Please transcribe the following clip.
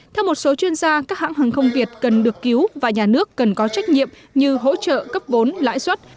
theo một số chuyên gia các hãng hàng không việt cần được cứu và nhà nước cần có trách nhiệm như hỗ trợ cấp vốn lãi suất